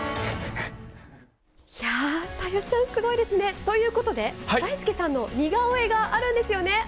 いやあ、さやちゃん、すごいですね。ということで、だいすけさんの似顔絵があるんですよね。